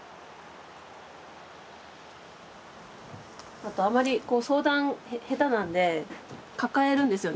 あとあんまり相談下手なんで抱えるんですよね